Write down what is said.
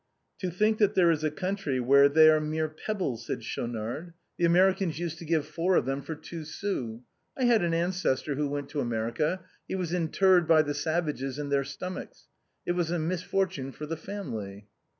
" To think that there is a country where they are mere pebbles/' said Schaunard. " The Americans used to give four of them for two sous. I had an ancestor who went to America; he was interred by the savages in their stom achs. It was a misfortune for the family."